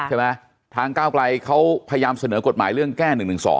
ทางก้าวไกลเขาพยายามเสนอกฎหมายเรื่องแก้๑๑๒